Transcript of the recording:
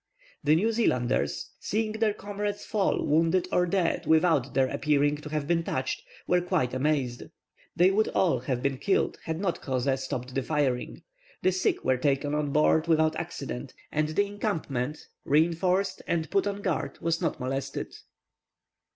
The New Zealanders, seeing their comrades fall wounded or dead, without their appearing to have been touched, were quite amazed. They would all have been killed had not Crozet stopped the firing. The sick were taken on board without accident, and the encampment, reinforced and put on guard, was not molested.